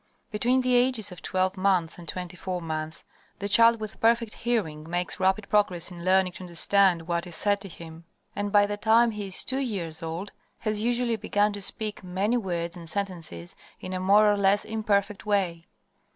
Between the ages of twelve months and twenty four months the child with perfect hearing makes rapid progress in learning to understand what is said to him, and by the time he is two years old has usually begun to speak many words and sentences in a more or less imperfect way.